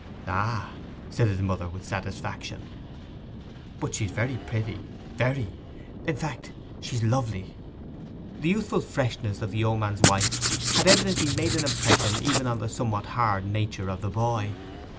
'Ah!' said his mother, with satisfaction. 'But she's very pretty—very. In fact, she's lovely.' The youthful freshness of the yeoman's wife had evidently made an impression even on the somewhat hard nature of the boy.